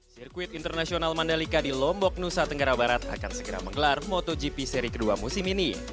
sirkuit internasional mandalika di lombok nusa tenggara barat akan segera menggelar motogp seri kedua musim ini